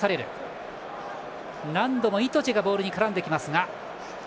何度もイトジェがボールに絡んできます。